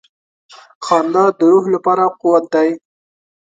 • خندا د روح لپاره قوت دی.